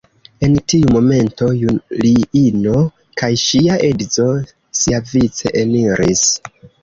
En tiu momento Juliino kaj ŝia edzo siavice eniris.